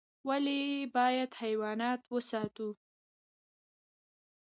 ولي بايد حيوانات وساتو؟